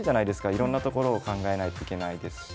いろんなところを考えないといけないですし。